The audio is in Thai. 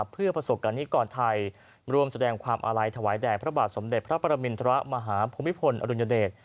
เพื่อประสบการณิกรไทยรวมแสดงความอาลัยถวายแด่พระบาทสมเด็จพระปรมินทรมาฮภูมิพลอดุญเดช